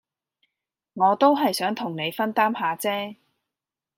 我都係想同你分擔下姐